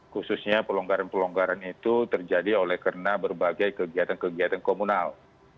khususnya pelonggaran pelonggaran itu terjadi oleh karena berbagai kegiatan kegiatan komunal